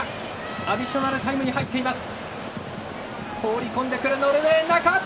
アディショナルタイムに入っています。